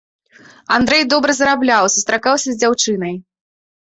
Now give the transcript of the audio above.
Андрэй добра зарабляў, сустракаўся з дзяўчынай.